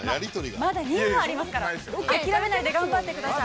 ◆まだ２問ありますから、諦めないで頑張ってください。